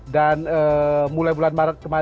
dan mulai bulan maret kemarin